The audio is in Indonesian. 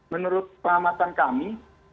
menurut pengamatan kami